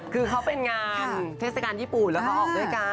คือเขาเป็นงานเทศกาลญี่ปุ่นแล้วเขาออกด้วยกัน